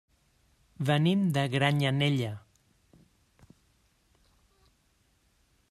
Venim de Granyanella.